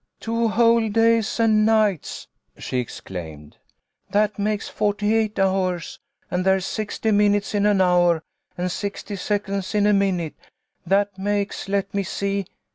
" Two whole days and nights !" she exclaimed. "That makes forty eight hours, and there's sixty minutes in an hour, and sixty seconds in a minute. That makes let me see."